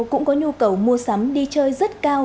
cũng có nhu cầu mua sắm đi chơi rất cao